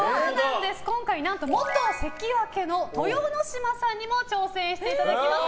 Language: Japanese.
今回、元関脇の豊ノ島さんにも挑戦していただきます。